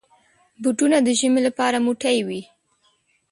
بوټونه د ژمي لپاره موټي وي.